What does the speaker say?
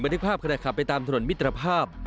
มาได้ภาพขนาดขับไปตามถนนมิตรภาพ